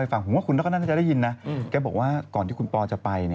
แล้วก็ให้ทุกคนเก็บเกี่ยวสวนไป